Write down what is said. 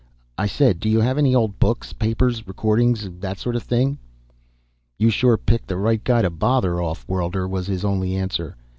"I said do you have any old books, papers, records or that sort of thing?" "You sure picked the right guy to bother, off worlder," was his only answer.